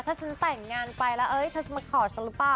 ถ้าฉันแต่งงานไปแล้วเธอจะมาขอฉันหรือเปล่า